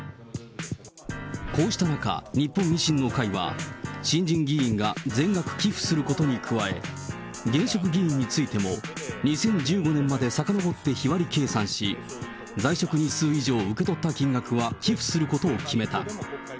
こうした中、日本維新の会は、新人議員が全額寄付することに加え、現職議員についても、２０１５年までさかのぼって日割り計算し、在職日数以上受け取った金額は寄付することを決めた。